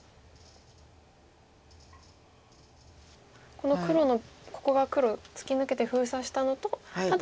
この黒のここが黒突き抜けて封鎖したのとただ